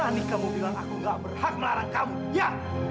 aneh kamu bilang aku gak berhak melarang kamu ya